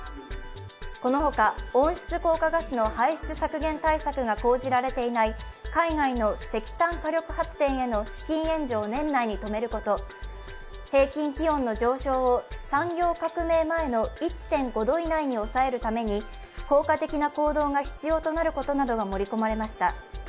この他、温室効果ガスの排出削減対策が講じられていない海外の石炭火力発電への資金援助を年内に止めること、平均気温の上昇を産業革命前の１．５度以内に収めるために効果的な行動が必要となることなどが盛り込まれました。